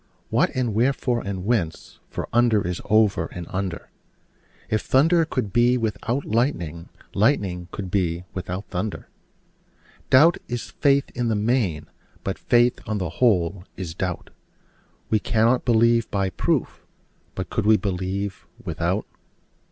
What, and wherefore, and whence? for under is over and under: If thunder could be without lightning, lightning could be without thunder. Doubt is faith in the main: but faith, on the whole, is doubt: We cannot believe by proof: but could we believe without?